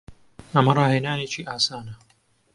ئەمە ڕاهێنانێکی ئاسانە.